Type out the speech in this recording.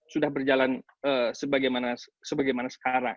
sudah berjalan sebagaimana sekarang